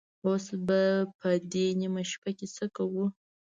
اوس به په دې نيمه شپه کې څه کوو؟